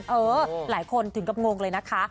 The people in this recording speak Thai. เออหลายคนถึงกับงงเลยนะคะ